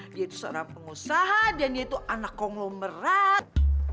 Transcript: dia itu seorang pengusaha dan dia itu anak konglomerat